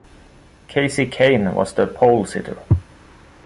Kasey Kahne was the polesitter.